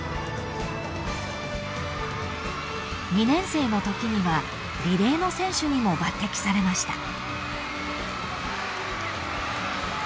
［２年生のときにはリレーの選手にも抜てきされました］